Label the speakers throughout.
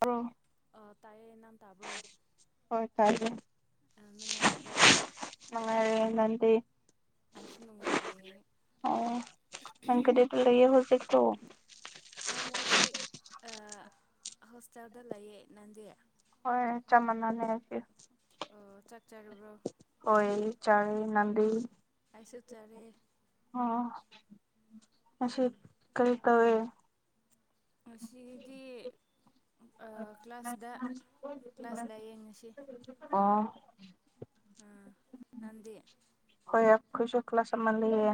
Speaker 1: ꯇꯥꯕ꯭ꯔꯣ
Speaker 2: ꯑ ꯇꯥꯏꯌꯦ ꯅꯪ ꯇꯥꯕ꯭ꯔꯣ
Speaker 1: ꯍꯣꯏ ꯇꯥꯏꯌꯦ
Speaker 2: ꯑ ꯅꯨꯡꯉꯥꯏꯔꯤꯕꯣ ꯑꯩꯁꯨ ꯅꯨꯡꯉꯥꯏꯔꯤꯌꯦ
Speaker 1: ꯑ ꯅꯪ ꯀꯩꯗꯥꯏꯗ ꯂꯩꯌꯦ ꯍꯧꯖꯤꯛꯇꯣ
Speaker 2: ꯑ ꯍꯣꯁꯇꯦꯜꯗ ꯂꯩꯌꯦ ꯅꯪꯗꯤ
Speaker 1: ꯍꯣꯏ ꯆꯥꯃꯅꯥꯅꯦ ꯍꯥꯏꯈꯤ
Speaker 2: ꯑꯣ ꯆꯥꯛꯆꯥꯔꯨꯕ꯭ꯔꯣ
Speaker 1: ꯍꫭꯌꯦ ꯆꯥꯔꯤ ꯅꯪꯗꯤ
Speaker 2: ꯑꯩꯁꯨ ꯆꯔꯦ
Speaker 1: ꯑꯣ ꯃꯁꯤ ꯀꯔꯤ ꯇꯧꯋꯦ
Speaker 2: ꯉꯁꯤꯗꯤ ꯑ ꯀ꯭ꯂꯥꯁꯗ ꯀ꯭ꯂꯥꯁ ꯂꯩꯌꯦ ꯉꯁꯤ
Speaker 1: ꯑꯣ
Speaker 2: ꯑ ꯅꯪꯗꯤ
Speaker 1: ꯈꯣꯏꯁꯨ ꯀ꯭ꯂꯁ ꯑꯃ ꯂꯩꯌꯦ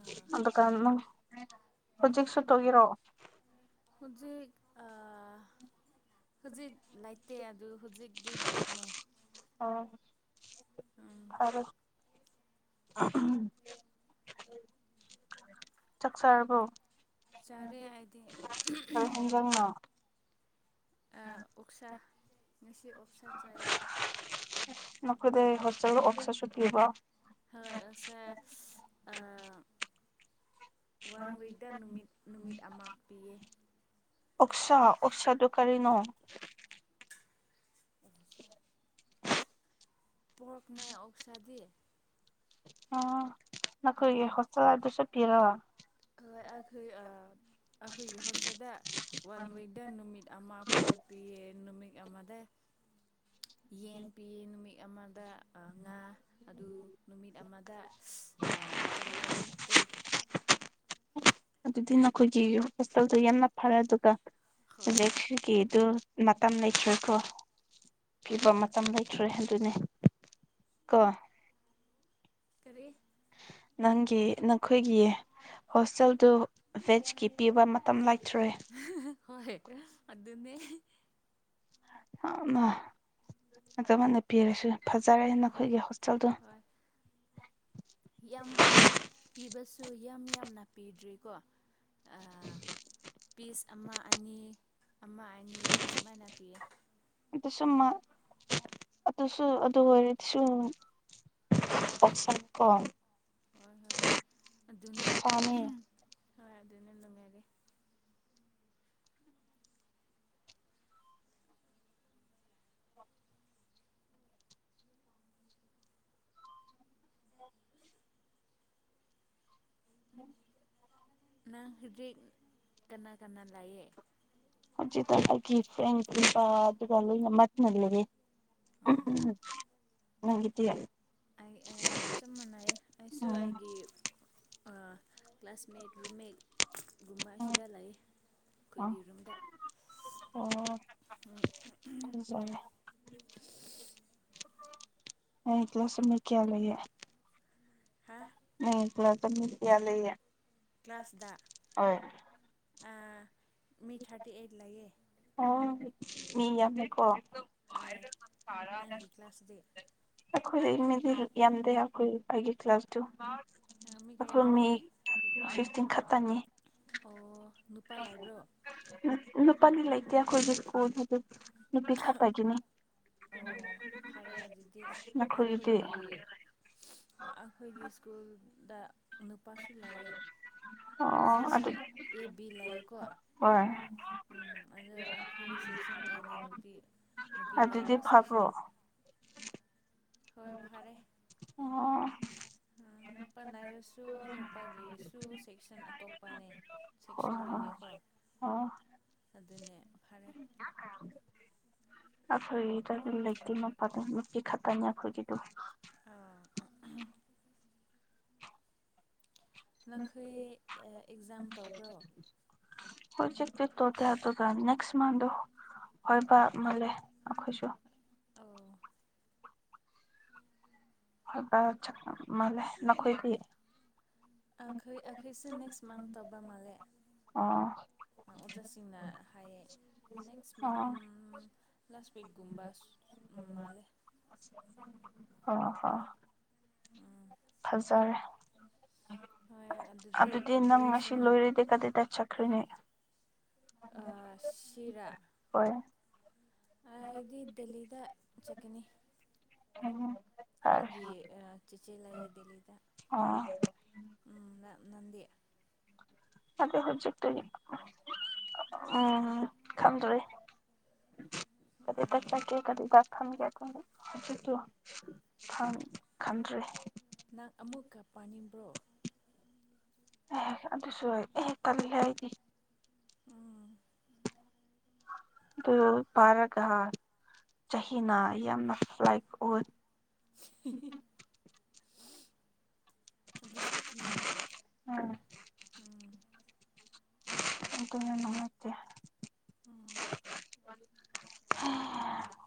Speaker 2: ꯑꯥ
Speaker 1: ꯑꯗꯨꯀꯥꯟꯅꫭ ꯍꯧꯖꯤꯛꯁꯨ ꯇꯧꯒꯤꯔꫭ
Speaker 2: ꯍꯧꯖꯤꯛ ꯑꯥ ꯍꯧꯖꯤꯛ ꯂꯩꯇꯦ ꯑꯗꯨ ꯍꯧꯖꯤꯛꯇꯤ ꯕ꯭ꯔꯦꯛꯅꯦ
Speaker 1: ꯑꯣ
Speaker 2: ꯎꯝ
Speaker 1: ꯐꯔꯦ ꯆꯥꯛ ꯆꯥꯥꯔꯕꯣ
Speaker 2: ꯆꯥꯔꯦ ꯑꯥꯏꯗꯤ
Speaker 1: ꯍꯦꯟꯖꯥꯡꯅꯣ
Speaker 2: ꯑ ꯑꯣꯛꯁꯥ ꯉꯁꯤ ꯑꯣꯛꯁꯥ ꯆꯥꯏꯌꯦ
Speaker 1: ꯅꯈꯣꯏꯗꯤ ꯍꯣꯁꯇꯦꯜ ꯑꯣꯛꯁꯥꯁꯨ ꯄꯤꯕ꯭ꯔꫭ
Speaker 2: ꯍꯣꯏ ꯑꫭꯛꯁꯥ ꯑꯥ ꯋꯥꯟ ꯋꯤꯛꯗ ꯅꯨꯃꯤꯠ ꯅꯨꯃꯤꯠ ꯑꯃ ꯄꯤꯌꯦ
Speaker 1: ꯑꯣꯛꯁꯥ ꯑꫭꯛꯁꯥꯗꯨ ꯀꯔꯤꯅꫭ
Speaker 2: ꯄꯣꯔꯛꯅꯦ ꯑꯣꯁꯥꯗꯤ
Speaker 1: ꯑꫭ ꯅꯈꫭꯏꯒꯤ ꯍꫭꯁꯇꯦꯜ ꯑꯗꯨꯁꯨ ꯄꯤꯔꯕ
Speaker 2: ꯍꯣꯏ ꯑꯩꯈꯣꯏ ꯑꯩꯈꯣꯏꯒꯤ ꯍꯣꯁꯇꯦꯗ ꯋꯥꯟ ꯋꯤꯛ ꯗ ꯅꯨꯃꯤꯠ ꯑꯃ ꯄꯣꯔꯛ ꯄꯤꯌꯦ ꯅꯨꯃꯤꯛ ꯑꯃꯗ ꯌꯦꯟ ꯄꯤꯌꯦ ꯅꯨꯃꯤꯠ ꯑꯃꯗ ꯑ ꯉꯥ ꯑꯗꯨ ꯅꯨꯃꯤꯠ ꯑꯃꯗ ꯀꯔꯤ ꯀꯔꯤ ꯑꯦꯛ
Speaker 1: ꯑꯗꯨꯗꯤ ꯅꯈꯣꯏꯒꯤ ꯍꯣꯁꯇꯦꯜꯗ ꯌꯥꯝꯅ ꯐꯔꯦ ꯑꯗꯨꯒ
Speaker 2: ꯍꯣꯏ
Speaker 1: ꯁꯒꯤꯗꯨ ꯃꯇꯝ ꯂꯩꯈꯤꯀꯣ ꯄꯤꯕ
Speaker 2: ꯍꯣꯏ
Speaker 1: ꯃꯇꯝ ꯂꯩꯇ꯭ꯔꯦ ꯑꯗꯨꯅꯤ ꯀꯣ
Speaker 2: ꯀꯔꯤ
Speaker 1: ꯅꯪꯒꯤ ꯅꯈꯣꯏꯒꯤ ꯍꯣꯁꯇꯦꯜꯗꯨ ꯚꯦꯖꯀꯤ ꯄꯤꯕ ꯃꯇꯝ ꯂ
Speaker 2: ꯍꯣꯏ ꯑꯗꯨꯗꯅꯦ
Speaker 1: ꯑ ꯆꯃꯅ ꯄꯤꯔꯁꯨ ꯐꯖꯔꯦ
Speaker 2: ꯍꯣꯏ
Speaker 1: ꯅꯈꯣꯏꯒꯤ ꯍꯣꯁꯇꯦꯜꯗꯣ
Speaker 2: ꯍꯣꯏ ꯌꯥꯝ ꯄꯤꯕ ꯁꯨ ꯌꯥꯝ ꯌꯥꯝꯅ ꯄꯤꯗ꯭ꯔꯤꯀꯣ
Speaker 1: [unintelligible] [inaudible]
Speaker 2: ꯄꯤꯁ ꯑꯃ ꯑꯅꯤ ꯑꯃ ꯑꯅꯤ ꯁꯨꯃꯥꯏꯅ ꯄꯤꯌꯦ
Speaker 1: ꯑꯗꯨꯁꯨ ꯑꯗꯨꯁꯨ ꯑꯗꯨ ꯑꯣꯏꯔꯗꯤꯁꯨ ꯄꯁ ꯀꯣ
Speaker 2: ꯍꯣꯏ ꯍꯣꯏ ꯑꯗꯨꯅꯦ
Speaker 1: ꯁꯥꯅꯤ
Speaker 2: ꯍ ꯑꯗꯨ ꯑꯗꯨꯅ ꯑꯗꯨ ꯃꯔꯦ
Speaker 1: ꯑ ꯎꯝ
Speaker 2: ꯍꯧꯖꯤꯛ ꯀꯅꯥ ꯀꯅꯥ ꯂꯥꯏꯌꯦ
Speaker 1: ꯍꯧꯖꯤ ꯇꯒꯤ ꯏ ꯐ ꯇꯕ ꯑꯗꯨꯒ ꯏ ꯃꯅ ꯂꯩ ꯃꯪꯒꯤꯇꯤꯌꯥ
Speaker 2: ꯑꯩ ꯆꯞ ꯃꯥꯟꯅꯩ ꯑꯩꯁꯨ
Speaker 1: ꯎꯝ
Speaker 2: ꯑꯩꯒꯤ ꯀ꯭ꯂꯥꯁꯃꯦꯠ ꯔꯨꯝꯃꯦꯠꯒꯨꯝꯕ ꯁꯤꯗ ꯂꯩ
Speaker 1: ꯑꯣ
Speaker 2: ꯑꯩꯈꯣꯏꯒꯤ ꯔꯨꯝꯗ
Speaker 1: ꯑꯣ ꯖꯔ ꯎꯝ ꯑ ꯏ꯭ꯂꯁꯨꯃꯤ ꯀꯌꯥ ꯂꯩ
Speaker 2: ꯍꯥ
Speaker 1: ꯅ ꯊꯣꯛꯂ ꯃꯤ ꯀꯌꯥ ꯂꯩꯌꯦ
Speaker 2: ꯀ꯭ꯂꯥꯁꯗ
Speaker 1: ꯍ
Speaker 2: ꯃꯤ ꯊꯥꯔꯇꯤ ꯑꯩꯠ ꯂꯩꯌꯦ
Speaker 1: ꯑꯥ ꯃꯤ ꯌꯥꯝꯃꯦꯀꯣ
Speaker 2: ꯍ ꯅꯪꯒꯤ ꯀ꯭ꯂꯥꯁꯗꯤ
Speaker 1: ꯑꯩꯈꯣꯏ ꯃꯤꯗꯤ ꯌꯥꯝꯗꯦ ꯑꯩꯈꯣꯏ ꯑꯩꯒꯤ ꯀ꯭ꯂꯥꯁꯇꯨ
Speaker 2: ꯃꯤ
Speaker 1: ꯄꯊꯔ
Speaker 2: ꯀꯌꯥ
Speaker 1: ꯃꯦ
Speaker 2: ꯂꯩꯌꯦ
Speaker 1: ꯐ ꯤꯡ ꯈꯛꯇꯪꯅꯤ
Speaker 2: ꯑꯣ ꯅꯨꯄꯥ ꯂꯩꯕ꯭ꯔꯣ
Speaker 1: ꯄ ꯂꯩ ꯀꯌꯥꯈꯣꯏꯗ ꯀꯟ ꯍꯥꯏ ꯑꯗꯨ
Speaker 2: ꯑꯣ ꯐꯔꯦ ꯑꯗꯨꯗꯤ
Speaker 1: ꯅꯈꯣꯏꯒꯤꯗꯤ
Speaker 2: ꯑꯩꯈꯣꯏꯒꯤ ꯑꯩꯈꯣꯏꯒꯤ ꯁ꯭ꯀꯨꯜ ꯗꯥꯛ ꯅꯨꯄꯥꯁꯨ ꯂꯥꯏ
Speaker 1: ꯑꯣ ꯑꯗꯨ
Speaker 2: ꯁꯦꯛꯁꯟ ꯑꯦ ꯕꯤ ꯂꯩꯌꯦꯀꯣ
Speaker 1: ꯍꯣꯏ
Speaker 2: ꯎꯝ ꯑꯣ ꯑꯩꯈꯣꯏ ꯁꯦꯛꯁꯟ ꯑꯦꯅꯦ ꯅꯨꯄꯤ
Speaker 1: ꯑꯗꯨꯗꯤ
Speaker 2: ꯅꯨꯄꯤꯅꯦꯔꯣ
Speaker 1: ꯐꯕ꯭ꯔꯣ
Speaker 2: ꯁꯦꯛꯁꯟ ꯍꯣꯏ ꯐꯔꯦ
Speaker 1: ꯑꯣ
Speaker 2: ꯎ ꯅꯨꯄꯥ ꯂꯅꯥꯔꯁꯨ ꯅꯨꯄꯥꯒꯤꯁꯨ ꯁꯦꯛꯁꯟ ꯑꯇꯣꯞꯄꯅꯦ
Speaker 1: ꯍꯣꯏ ꯍꯣꯏ
Speaker 2: ꯁꯦꯛꯁꯟꯕꯤꯅꯦꯀꯣ
Speaker 1: ꯑꯣ
Speaker 2: ꯑꯗꯨꯅꯦ ꯐꯔꯦ
Speaker 1: ꯑꯩꯈꯣꯏꯒꯤꯗ ꯑꯗꯨ ꯂꯩꯇꯦ ꯃꯄꯥꯗ ꯃꯤ ꯈꯛꯇꯅꯤ ꯑꯩꯈꯣꯏꯒꯤꯗꯣ
Speaker 2: ꯑꯥ ꯅꯈꯣꯏ ꯑꯦꯛꯖꯥꯝ ꯇꯧꯕ꯭ꯔꯣ
Speaker 1: ꯍꯣꯏ ꯆꯛꯇ ꯇꯣ ꯇ ꯇꯗ ꯅꯦꯛꯁ ꯃꯟꯣ ꯍꯕ
Speaker 2: ꯑꯣ
Speaker 1: ꯃꯥꯜꯂꯦ ꯑꯩꯈꯣꯏꯁꯨ
Speaker 2: ꯑꯣ
Speaker 1: ꯍ ꯐ ꯆ
Speaker 2: ꯑꯈꯩ ꯑꯈꯩꯁꯦ ꯅꯦꯛꯁ ꯃꯟ ꯇꯧꯕ ꯃꯥꯜꯂꯦ
Speaker 1: ꯑꯣ
Speaker 2: ꯑꯣꯖꯥꯁꯤꯡꯅ ꯍꯥꯏꯌꯦ ꯅꯦꯛꯁ ꯃꯟ
Speaker 1: ꯑꯣ
Speaker 2: ꯂꯥꯁ ꯋꯤꯛꯀꯨꯝꯕ ꯃꯥꯂꯦ
Speaker 1: ꯑꯣ ꯑ ꯐꯖꯔꯦ
Speaker 2: ꯍꯣꯏ
Speaker 1: ꯑꯗꯨꯗꯤ ꯅꯪ ꯉ
Speaker 2: ꯄ꯭ꯔꯤꯄꯦꯔꯦꯁꯟ
Speaker 1: ꯂꯣꯏꯔꯣꯏ ꯗꯦ ꯀꯥꯗ ꯇ ꯆꯈ꯭ꯔꯤꯅꯦ ꯍꯣꯏ
Speaker 2: ꯗꯤ ꯗꯦꯜꯂꯤꯗ ꯆꯠꯅꯤ
Speaker 1: ꯑ
Speaker 2: ꯑꯩꯒꯤ ꯆꯦꯆꯦꯂꯑ ꯗ ꯂꯩꯗ
Speaker 1: ꯑꯣ
Speaker 2: ꯎ ꯅꯟꯗꯤ
Speaker 1: ꯑꯗ ꯍꯧꯖꯤꯛꯇ ꯎꯝ ꯈꯗꯔꯤ ꯀ ꯇꯦ
Speaker 2: ꯎꯝ
Speaker 1: ꯀꯔꯤ ꯇꯥꯛ ꯈꯥꯟꯒꯦꯖꯤꯛꯇ ꯈ ꯈꯟ꯭ꯔꯔꯤ
Speaker 2: ꯅꯪ ꯑꯃꯨꯛꯀ ꯄꯥꯅꯤꯡꯕ꯭ꯔꯣ
Speaker 1: ꯑꯦꯍ ꯑꯗꯨꯁꯨ ꯑꯦꯍꯦꯛ ꯀꯂꯦ ꯍꯥꯏꯗꯤ
Speaker 2: ꯎꯝ
Speaker 1: ꯑꯗꯨ ꯔꯒ ꯆꯍꯤꯅ ꯌꯥꯝꯅ ꯂꯥꯏꯛ ꯑꯣ
Speaker 2: [unintelligible] ꯑꯗꯨ ꯁ ꯆꯃꯦ ꯎꯝ
Speaker 1: ꯑꯗꯨꯗꯅ ꯅꯉꯇ
Speaker 2: ꯎꯝ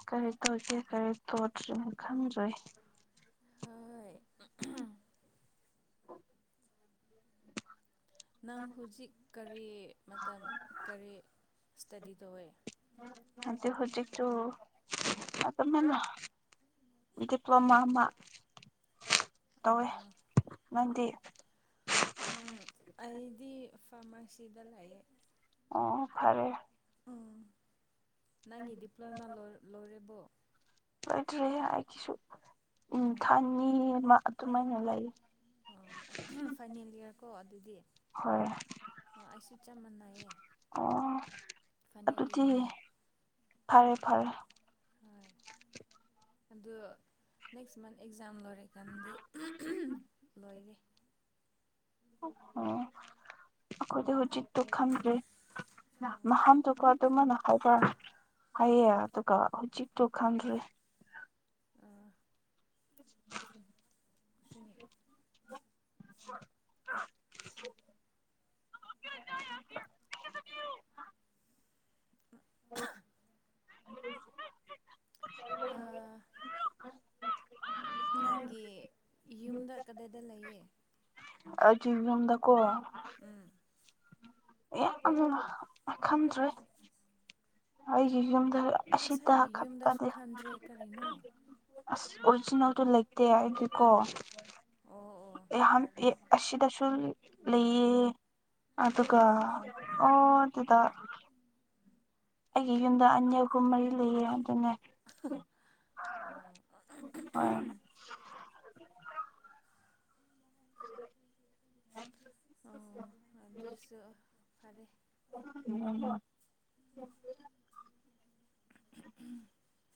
Speaker 1: ꯀꯔꯤ ꯇꯧꯒꯦ ꯀꯔꯤ ꯇꯧꯗ꯭ꯔꯤꯅ ꯈꯪꯗ꯭ꯔꯣꯏ
Speaker 2: ꯍꯣꯏ ꯅꯪ ꯍꯧꯖꯤꯛ ꯀꯔꯤ ꯃꯇꯝ ꯀꯔꯤ ꯏꯁꯇꯗꯤ ꯇꯧꯋꯦ
Speaker 1: ꯑꯗꯨ ꯍꯧꯖꯤꯛꯁꯨ ꯑꯗꯨꯞꯅꯅ ꯗꯤꯄ꯭ꯂꯣꯃꯥ ꯑꯃ ꯇꯧꯋꯦ
Speaker 2: ꯑꯥ ꯑꯥ
Speaker 1: ꯅꯪꯗꯤ
Speaker 2: ꯎꯝ ꯑꯩꯗꯤ ꯐꯥꯔꯃꯥꯁꯤꯗ ꯂꯩꯌꯦꯦ
Speaker 1: ꯑꯣ ꯐꯔꯦ
Speaker 2: ꯅꯪꯒꯤ ꯗꯤꯄ꯭ꯂꯣꯃꯥ ꯂꯣꯏꯔꯕꯣ
Speaker 1: ꯁꯨ ꯎꯝ ꯊꯥꯟꯅꯤ ꯃꯥ ꯇꯃꯥꯏꯅ ꯂꯩ
Speaker 2: ꯀꯣ ꯑꯗꯨꯗꯤ
Speaker 1: ꯍꯣꯏ
Speaker 2: ꯑꯩꯁꯨ ꯆꯞ ꯃꯥꯟꯅꯩꯌꯦ
Speaker 1: ꯑꯣ
Speaker 2: ꯐꯥꯏꯅꯦꯜ
Speaker 1: ꯑꯗꯨꯗꯤ
Speaker 2: ꯏꯌꯥꯔꯅꯦ
Speaker 1: ꯐꯔꯦ ꯐꯔꯦ
Speaker 2: ꯍꯣꯏ ꯑꯗꯨ ꯅꯦꯛꯁ ꯃꯟ ꯑꯦꯛꯖꯥꯝ ꯂꯣꯏꯔꯦꯀꯥꯟꯗꯤ ꯂꯣꯏꯔꯦ
Speaker 1: ꯑꯣ ꯑꯩꯈꯣꯏꯗꯤ ꯍꯧꯖꯤꯛꯇꯨ ꯈꯟꯗ꯭ꯔꯔꯤ ꯅꯍꯥꯟꯗꯨꯒ ꯑꯗꯨꯃꯅ ꯍꯥꯏꯕ꯭ꯔ ꯍꯥꯏꯌꯦ ꯑꯗꯨꯒ ꯍꯧꯖꯤꯛꯇꯨ ꯈꯟꯗ꯭ꯔꯦ
Speaker 2: ꯁꯨꯅꯤ
Speaker 1: [unintelligible] ꯎꯝ
Speaker 2: ꯑꯥ
Speaker 1: ꯍ
Speaker 2: ꯅꯪꯒꯤ ꯌꯨꯝꯗ ꯀꯗꯥꯏꯗ ꯂꯩꯌꯦ
Speaker 1: ꯑꯗꯨ ꯆꯤ ꯌꯝꯗꯥꯀꯣ
Speaker 2: ꯎꯝ
Speaker 1: ꯑꯦ ꯑꯈ ꯑꯩꯒꯤ ꯑꯁꯤ ꯑꯁꯤꯗ
Speaker 2: ꯅꯁꯥꯒꯤ ꯌꯨꯝꯗꯁꯨ
Speaker 1: ꯈꯪꯄꯗꯤ
Speaker 2: ꯈꯟꯗ꯭ꯔꯦ ꯀꯔꯤꯅꯣ
Speaker 1: ꯑꯁ ꯑꯣꯔꯤꯖꯤꯅꯦꯜꯗꯣ ꯂꯩꯇꯦ ꯍꯥꯏꯗꯤꯀꯣ
Speaker 2: ꯑꯣ ꯑꯣ
Speaker 1: ꯍ ꯑꯁꯤꯗꯁꯨ ꯂꯩꯑ ꯑꯗꯨꯒ ꯑꯣ ꯑꯗꯨꯗ ꯑꯩꯒꯤ ꯌꯨꯝꯗ ꯑꯅꯤ ꯑꯍꯨꯝ ꯃꯔꯤ ꯂꯩꯑ ꯑꯗꯨꯅꯦ
Speaker 2: ꯑꯣ
Speaker 1: ꯍ ꯑ
Speaker 2: ꯑꯣ ꯑꯗꯨꯁꯨ ꯐꯔꯦ
Speaker 1: ꯎꯝ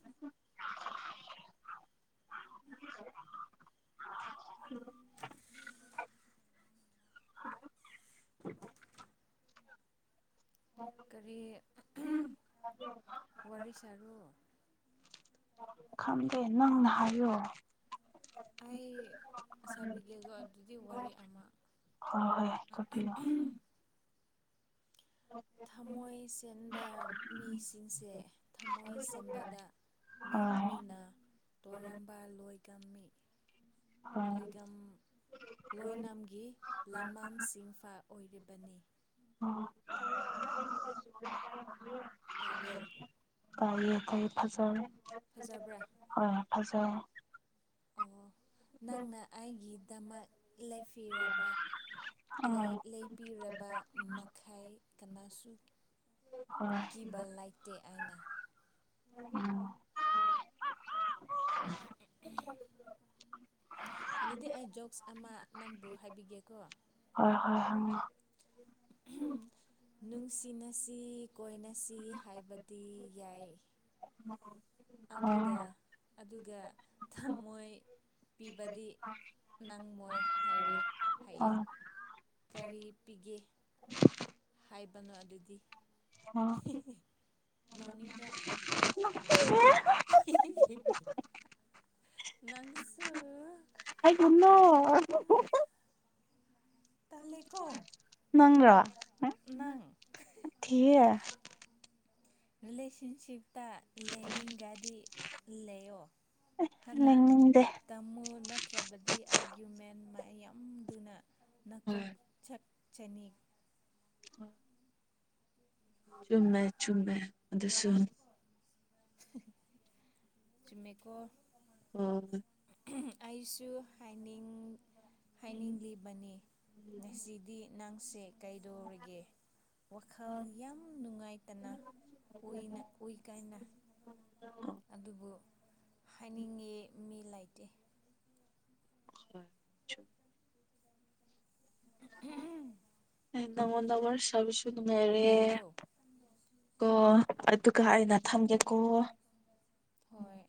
Speaker 1: ꯍ
Speaker 2: ꯀꯔꯤ
Speaker 1: ꯎꯝ
Speaker 2: ꯋꯥꯔꯤ ꯁꯥꯔ
Speaker 1: ꯈꯝꯗꯦ ꯅꯪꯅ ꯍꯥꯏꯌꯣ
Speaker 2: ꯑꯩ ꯁꯥꯕꯤꯒꯦꯒ ꯑꯗꯨꯗꯤ ꯋꯥꯔꯤ ꯑꯃ
Speaker 1: ꯍꯣꯏ ꯍꯣꯏ ꯇꯥꯛꯄꯤꯌꯣ
Speaker 2: ꯊꯃꯣꯏ ꯁꯦꯟꯕ ꯃꯤꯁꯤꯡꯁꯦ ꯊꯃꯣꯏ ꯁꯦꯡꯕꯗ
Speaker 1: ꯍꯣꯏ
Speaker 2: ꯃꯤꯅ ꯇꯣꯏꯔꯝꯕ ꯂꯣꯏ
Speaker 1: ꯍꯣꯏ
Speaker 2: ꯂꯣꯏ ꯂꯣꯏꯅꯝꯒꯤ ꯂꯃꯝꯁꯤꯡꯥ ꯑꯣꯏꯔꯤꯕꯅꯤ
Speaker 1: ꯑꯣ
Speaker 2: ꯇꯥꯔꯕꯣ
Speaker 1: ꯑꯇꯩ ꯐꯖꯕ
Speaker 2: ꯐꯖꯕ꯭ꯔꯥ
Speaker 1: ꯑꯣ
Speaker 2: ꯑꯣ ꯅꯪꯅ ꯑꯩꯒꯤꯗꯃꯛ ꯂꯦꯄꯤꯔꯕ
Speaker 1: ꯍꯣꯏ
Speaker 2: ꯂꯩ ꯂꯩꯄꯤꯔꯕ ꯃꯈꯥꯏ ꯀꯅꯥꯁꯨ
Speaker 1: ꯍꯣꯏ
Speaker 2: ꯀꯕ ꯂꯥꯛꯇ ꯑꯅꯥ
Speaker 1: ꯎꯝ
Speaker 2: ꯑꯗꯨꯗꯤ ꯑꯩ ꯖꯣꯛꯁ ꯑꯃ ꯅꯝꯕꯨ ꯍꯥꯏꯕꯤꯒꯦꯀꯣ
Speaker 1: ꯍꯣꯏ ꯍꯣꯏ ꯍꯪꯉꯣ
Speaker 2: ꯅꯨꯡꯁꯤꯅꯁꯤ ꯀꯣꯏꯅꯁꯤ ꯍꯥꯏꯕꯗꯤ ꯌꯥꯏ
Speaker 1: ꯍꯣꯏ
Speaker 2: ꯑꯗꯨꯗ ꯑꯗꯨꯒ ꯊꯝꯃꯣꯏ ꯄꯤꯕꯗꯤ ꯅꯪꯃꯣꯏ ꯍꯥꯏꯔꯦ ꯍꯥꯏꯌꯦꯦ
Speaker 1: ꯍꯣꯏ
Speaker 2: ꯀꯔꯤ ꯄꯤꯒꯦ ꯍꯥꯏꯕꯅꯣ ꯑꯗꯨꯗꯤ
Speaker 1: ꯍꯣꯏ
Speaker 2: ꯅꯣꯅꯤꯕ꯭ꯔꯥ [inaudible] ꯅꯪꯁꯨ
Speaker 1: ꯑꯩ ꯒꯤꯅꯣ
Speaker 2: ꯇꯂꯦ ꯀꯣ
Speaker 1: ꯅꯪꯔꯣ
Speaker 2: ꯅꯪ
Speaker 1: ꯊꯤꯌꯦ
Speaker 2: ꯔꯤꯂꯦꯁꯟꯁꯤꯞ ꯇ ꯂꯩꯅꯤꯡꯒꯗꯤ ꯂꯩꯌꯣ ꯍꯅ
Speaker 1: ꯂꯩꯅꯤꯡꯗꯦ
Speaker 2: ꯇꯝꯃꯨ ꯅꯠꯇ꯭ꯔꯕꯗꯤ ꯑꯥꯔꯒ꯭ꯌꯨꯃꯦꯟ ꯃꯥꯏ ꯑ ꯌꯥꯝꯗꯨꯅ
Speaker 1: [unintelligible]
Speaker 2: ꯆꯦꯅꯤꯛ
Speaker 1: [inaudible] ꯆꯨꯝꯃꯦ ꯆꯨꯝꯃꯦ ꯑꯗꯨꯁꯨ
Speaker 2: [inaudible] ꯆꯨꯝꯃꯦꯀꯣ
Speaker 1: ꯑꯣ
Speaker 2: ꯑꯩꯁꯨ ꯍꯥꯏꯅꯤꯡ ꯍꯥꯏꯅꯤꯡꯂꯤꯕꯅꯤ ꯉꯁꯤꯗꯤ ꯅꯪ ꯁꯤ ꯀꯩꯗꯧꯔꯒꯦ ꯋꯥꯈꯜ ꯌꯥꯝ ꯅꯨꯡꯉꯥꯏꯇꯅ ꯎ ꯀꯥꯏꯅ
Speaker 1: ꯑꯣ
Speaker 2: ꯑꯗꯨꯕꯨ ꯍꯥꯏꯅꯤꯡꯉꯤ ꯃꯤ ꯂꯩꯇꯦ
Speaker 1: ꯍꯣꯏ
Speaker 2: ꯍꯨꯝ
Speaker 1: ꯑꯦ ꯅꯉꫭꯟꯗ ꯋꯥꯔꯤ ꯁꯥꯕꯁꯨ ꯅꯨꯡꯉꯥꯏꯔꯦ
Speaker 2: ꯅꯨꯡꯉꯥꯏꯕ꯭ꯔꯣ
Speaker 1: ꯀꯣ ꯑꯗꯨꯒ ꯑꯩꯅ ꯊꯝꯒꯦꯀꯣ
Speaker 2: ꯍꯣꯏ